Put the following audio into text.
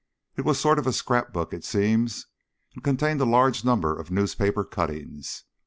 It was a sort of scrap book it seems, and contained a large number of newspaper cuttings.